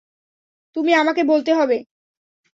তুমি আমাকে বলতে হবে।